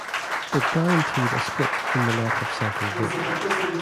It guaranteed a split in the left-of-centre vote.